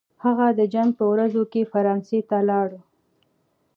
هغه د جنګ په ورځو کې فرانسې ته ولاړ.